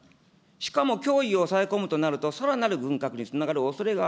しかも脅威を抑え込むとなると、さらなる軍拡につながるおそれが